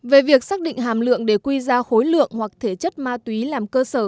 về việc xác định hàm lượng để quy ra khối lượng hoặc thể chất ma túy làm cơ sở